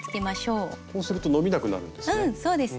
こうすると伸びなくなるんですね。